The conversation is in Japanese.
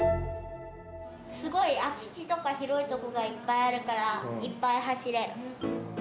すごい空き地とか、広い所がいっぱいあるから、いっぱい走れる。